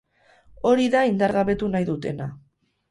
Hori da indargabetu nahi dutena.